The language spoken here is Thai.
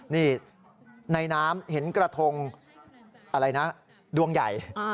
นี่ในน้ำเห็นกระทงอะไรนะดวงใหญ่